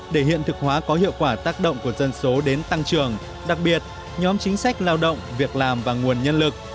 để hiện thực hóa có hiệu quả tác động của dân số đến tăng trưởng đặc biệt nhóm chính sách lao động việc làm và nguồn nhân lực